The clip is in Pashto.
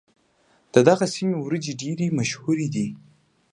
د دغې سيمې وريجې ډېرې مشهورې دي.